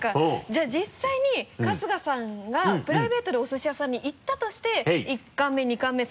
じゃあ実際に春日さんがプライベートでおすし屋さんに行ったとして１貫目２貫目